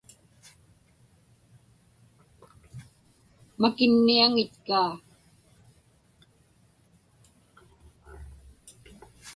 Makinniaŋitkaa.